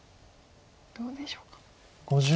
どうでしょうか。